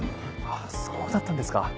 あぁそうだったんですか。